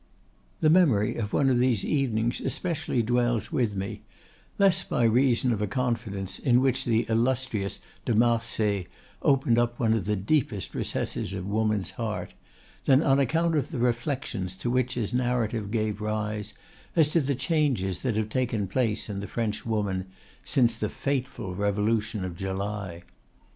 The memory of one of these evenings especially dwells with me, less by reason of a confidence in which the illustrious de Marsay opened up one of the deepest recesses of woman's heart, than on account of the reflections to which his narrative gave rise, as to the changes that have taken place in the French woman since the fateful revolution of July.